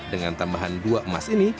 dengan tambahan dua emas ini